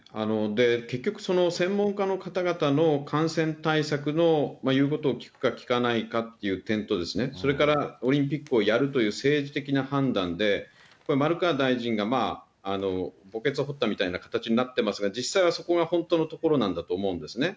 結局、専門家の方々の感染対策の言うことを聞くか聞かないかという点とですね、それからオリンピックをやるという政治的な判断で、丸川大臣が墓穴を掘ったみたいな形になってますが、実際はそこが本当のところなんだと思うんですね。